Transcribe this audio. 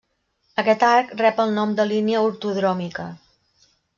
Aquest arc rep el nom de línia ortodròmica.